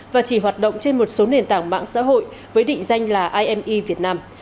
và chỉ hoạt động trên một số nền tảng mạng xã hội với định danh là ime việt nam